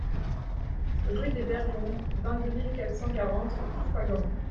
Rue des Bergeons, vingt-deux mille quatre cent quarante Ploufragan